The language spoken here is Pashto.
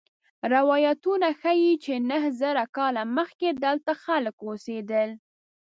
روایتونه ښيي چې نهه زره کاله مخکې دلته خلک اوسېدل.